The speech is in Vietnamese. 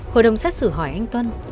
hội đồng xét xử hỏi anh tuân